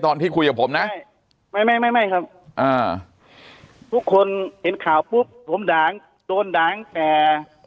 ตอนที่คุยกับผมนะไม่นะทุกคนเห็นข่าวปุ๊บจนด่างแต่